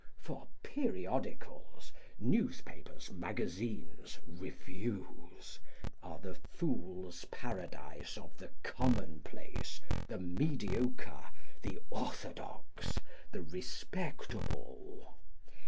For periodicals—newspapers, magazines, reviews—are the Fools' Paradise of the commonplace, the mediocre, the orthodox, the respectable.